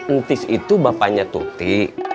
entis itu bapaknya tuti